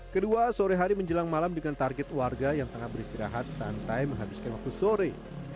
kedua sore hari menjelang malam dengan target warga yang tengah beristirahat santai menghabiskan waktu sore